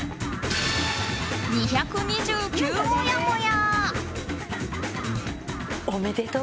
２２９もやもや！